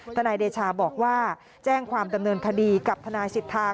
นายเดชาบอกว่าแจ้งความดำเนินคดีกับทนายสิทธา